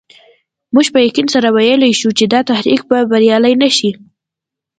موږ په یقین سره ویلای شو چې دا تحریک به بریالی نه شي.